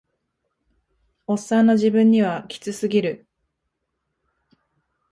オッサンの自分にはキツすぎる